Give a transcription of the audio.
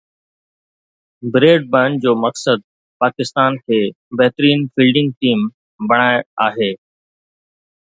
bread برن جو مقصد پاڪستان کي بهترين فيلڊنگ ٽيم بڻائڻ آهي